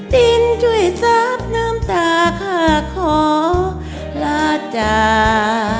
ดินช่วยซากน้ำตาขาขอลาจา